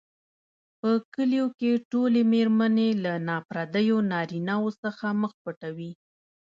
په کلیو کې ټولې مېرمنې له نا پردیو نارینوو څخه مخ پټوي.